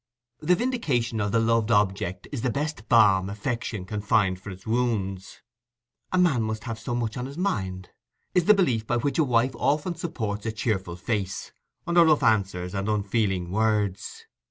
The vindication of the loved object is the best balm affection can find for its wounds:—"A man must have so much on his mind," is the belief by which a wife often supports a cheerful face under rough answers and unfeeling words.